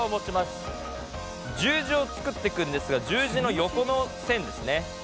十字を作っていくんですが十字の横の線ですね。